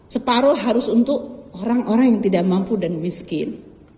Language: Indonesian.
separoh harus untuk orang orang yang tidak mampu dan miskin